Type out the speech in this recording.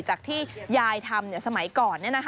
จากที่ยายทำสมัยก่อน